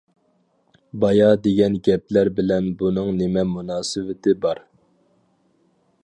-بايا دېگەن گەپلەر بىلەن بۇنىڭ نېمە مۇناسىۋىتى بار؟ .